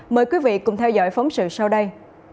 mời quý vị cùng theo dõi phóng sự sau đây